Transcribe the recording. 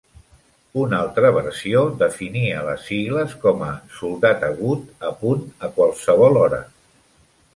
Una altra versió definia les sigles com a "soldat agut, a punt a qualsevol hora".